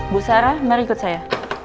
bu sarah mari ikut saya